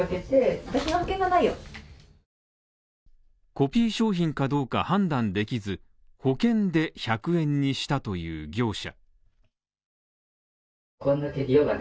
コピー商品かどうか判断できず、保険で１００円にしたという業者。